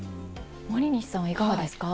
森西さんはいかがですか？